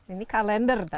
ini kalender tadi